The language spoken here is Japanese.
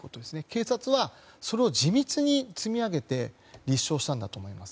警察は、地道に積み上げて立証したんだと思います。